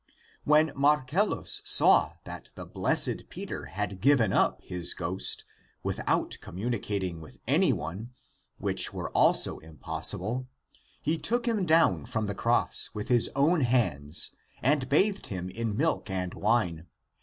^2^. When Marcellus saw that the blessed Peter had given up his ghost, with out communicating with anyone, which were also impossible, he took him down from the cross with his own hands, and bathed him in milk and wine.